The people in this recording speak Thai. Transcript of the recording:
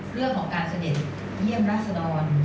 เรื่องของการเสด็จเยี่ยมรัศดร